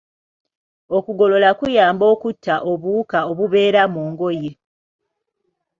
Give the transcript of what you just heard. Okugolola kuyamba okutta obuwuka obubeera mu ngoye.